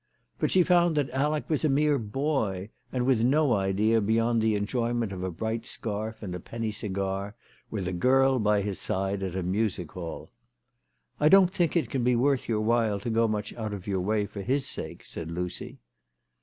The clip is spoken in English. But she found that Alec was a mere boy, and with no idea beyond the enjoyment of a bright scarf and a penny cigar, with a girl by his side at a Music Hall. " I don't think it can be worth your while to go much out of your way for his sake/' said Lucy.